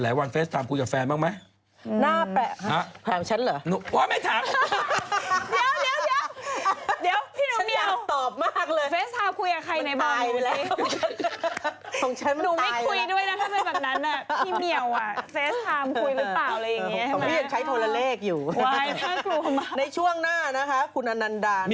ดูไม่คุยด้วยนะถ้าเป็นแบบนั้น